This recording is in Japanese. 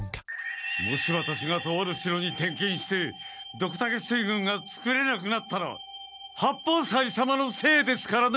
もしワタシがとある城に転勤してドクタケ水軍がつくれなくなったら八方斎様のせいですからね！